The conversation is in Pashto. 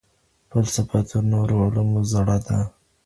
فلسفه تر نورو علومو زړه ده.